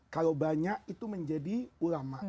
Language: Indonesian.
kalau banyak itu menjadi ulama